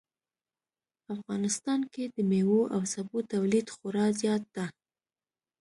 افغانستان کې د میوو او سبو تولید خورا زیات ده